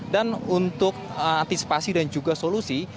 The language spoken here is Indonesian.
dan untuk antisipasi dan juga solusi